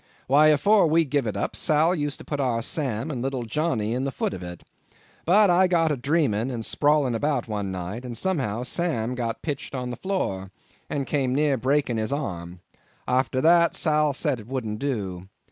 Why, afore we give it up, Sal used to put our Sam and little Johnny in the foot of it. But I got a dreaming and sprawling about one night, and somehow, Sam got pitched on the floor, and came near breaking his arm. Arter that, Sal said it wouldn't do.